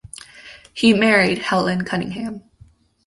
He married Helen Cunningham.